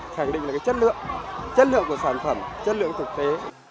khẳng định là chất lượng chất lượng của sản phẩm chất lượng thực tế